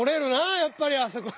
やっぱりあそこは。